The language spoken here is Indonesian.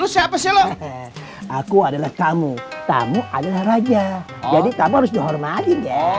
siapa sih lo aku adalah kamu kamu adalah raja jadi kamu harus dihormati